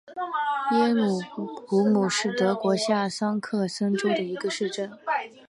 耶姆古姆是德国下萨克森州的一个市镇。